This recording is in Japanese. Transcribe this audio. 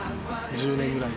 １０年ぐらい。